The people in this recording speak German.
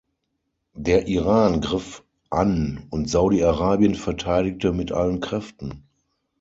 Der Iran griff an und Saudi-Arabien verteidigte mit allen Kräften.